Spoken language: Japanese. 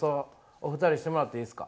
お二人にしてもらっていいですか。